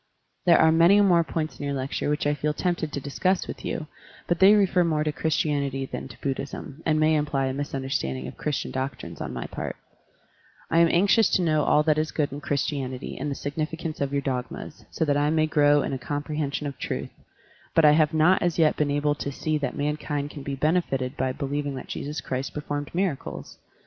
There are many more points in your lecture Digitized by Google 124 SERMONS OP A BUDDHIST ABBOT which I feel tempted to discuss with you, but they refer more to Christianity than to Buddhism, and may imply a mistmderstanding of Christian doctrines on my part. I am anxious to know all that is good in Christianity and the significance of your dogmas, so that I may grow in a compre hension of truth, but I have not as yet been able to see that mankind can be benefited by believing that Jesus Christ performed miracles.